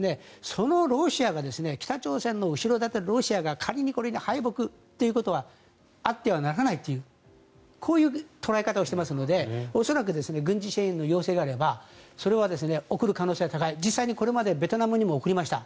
そのロシアが北朝鮮の後ろ盾のロシアが仮にこれに敗北ということはあってはならないというこういう捉え方をしていますので恐らく軍事支援の要請があれば実際にこれまでベトナムにも送りました。